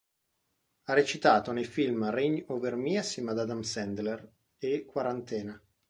Ha recitato nei film "Reign Over Me", assieme ad Adam Sandler, e "Quarantena".